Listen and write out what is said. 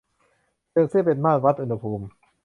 เซลเซียสเป็นมาตรวัดอุณหภูมิ